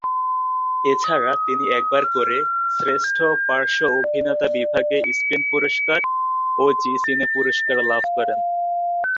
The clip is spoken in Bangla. এছাড়া তিনি একবার করে শ্রেষ্ঠ পার্শ্ব অভিনেতা বিভাগে স্ক্রিন পুরস্কার ও জি সিনে পুরস্কার লাভ করেন।